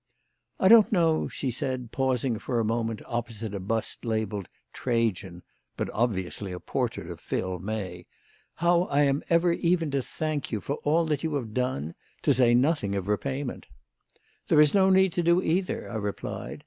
"I don't know," she said, pausing for a moment opposite a bust labelled "Trajan" (but obviously a portrait of Phil May), "how I am ever even to thank you for all that you have done? to say nothing of repayment." "There is no need to do either," I replied.